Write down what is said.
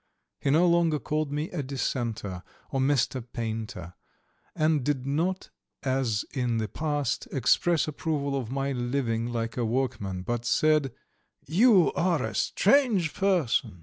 He no longer called me a dissenter or Mr. Painter, and did not as in the past express approval of my living like a workman, but said: "You are a strange person!